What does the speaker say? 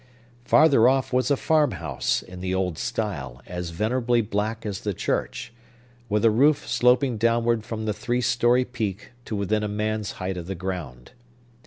Farther off was a farm house, in the old style, as venerably black as the church, with a roof sloping downward from the three story peak, to within a man's height of the ground.